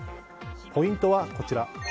ポイントはこちら。